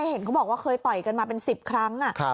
เห็นเขาบอกว่าเคยต่อยกันมาเป็น๑๐ครั้ง